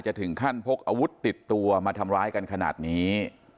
ถึงขั้นพกอาวุธติดตัวมาทำร้ายกันขนาดนี้